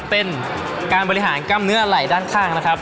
เป็นการบริหารกล้ามเนื้อไหล่ด้านข้างนะครับ